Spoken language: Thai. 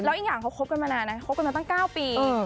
แล้วอีกอย่างเขาคบกันมานานนะคบกันมาตั้ง๙ปี